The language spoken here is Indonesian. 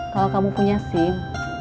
kalau kamu punya sim